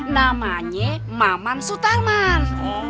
namanya maman sutarman